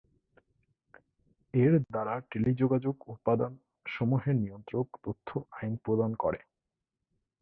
এর দ্বারা টেলিযোগাযোগ উপাদান সমুহের নিয়ন্ত্রক তথ্য আদান প্রদান করে।